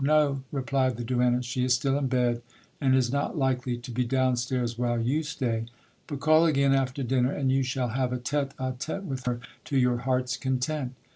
No, replied the Duenna, she is still in bed, and is not likely to be down stairs while you stay ; but call again after dinner, and you shall have a tete a tete with her to your heart's content.